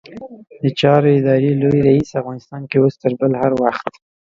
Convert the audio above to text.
د چارو ادارې لوی رئيس؛ افغانستان کې اوس تر بل هر وخت